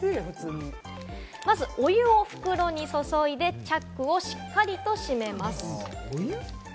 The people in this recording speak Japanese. まず、お湯を袋に注いでチャックをしっかりと閉めます。